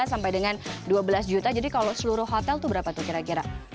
sampai dengan dua belas juta jadi kalau seluruh hotel itu berapa tuh kira kira